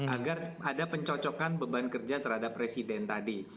agar ada pencocokan beban kerja terhadap presiden tadi